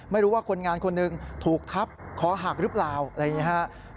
ไม่รู้ว่าคนงานคนหนึ่งถูกทับคอหักหรือเปล่าอะไรอย่างนี้ครับ